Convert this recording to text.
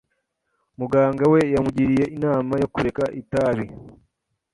Muganga we yamugiriye inama yo kureka itabi.